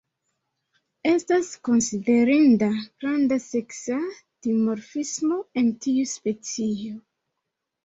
Estas konsiderinda granda seksa dimorfismo en tiu specio.